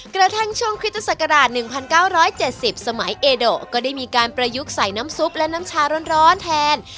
กระทั่งช่วงคริสตศักราช๑๙๗๐สมัยเอโดก็ได้มีการประยุกต์ใส่น้ำซุปและน้ำชาร้อนแทน